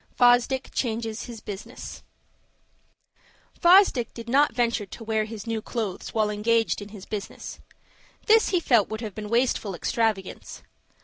FOSDICK CHANGES HIS BUSINESS Fosdick did not venture to wear his new clothes while engaged in his business. This he felt would have been wasteful extravagance.